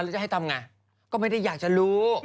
ไหนจะให้ทำอย่างไรก็ไม่ได้อยากจะรู้